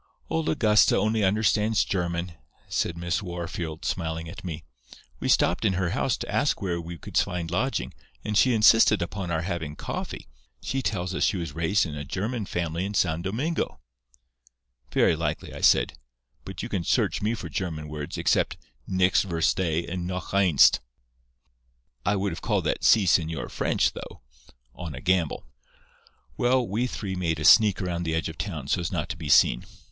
"'Old Augusta only understands German,' said Miss Wahrfield, smiling at me. 'We stopped in her house to ask where we could find lodging, and she insisted upon our having coffee. She tells us she was raised in a German family in San Domingo.' "'Very likely,' I said. 'But you can search me for German words, except nix verstay and noch einst. I would have called that "See, señor" French, though, on a gamble.' "Well, we three made a sneak around the edge of town so as not to be seen.